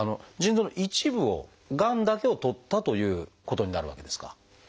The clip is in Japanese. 腎臓の一部をがんだけをとったということになるわけですか？